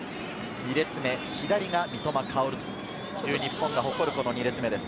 ２列目、左が三笘薫という日本が誇る２列目です。